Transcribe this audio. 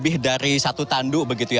itu tandu begitu ya